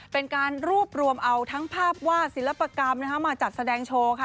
เป็นการรวบรวมเอาทั้งภาพวาดศิลปกรรมมาจัดแสดงโชว์ค่ะ